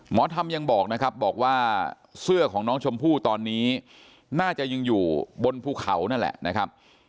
หมอธรรมยังบอกว่าเสื้อของน้องชมพู่ตอนนี้น่าจะยังอยู่บนภูเขานั่นแหละ